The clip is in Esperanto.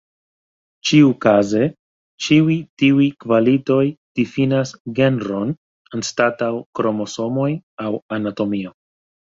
Ĉiukaze, ĉiuj tiuj kvalitoj difinas genron anstataŭ kromosomoj aŭ anatomio.